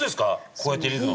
こうやって入れるの。